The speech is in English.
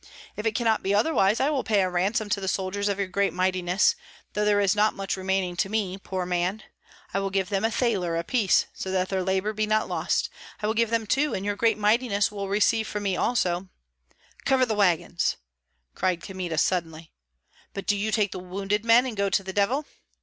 If it cannot be otherwise, I will pay a ransom to the soldiers of your great mightiness, though there is not much remaining to me, poor man. I will give them a thaler apiece, so that their labor be not lost, I will give them two; and your great mightiness will receive from me also " "Cover the wagons!" cried Kmita, suddenly. "But do you take the wounded men and go to the devil!"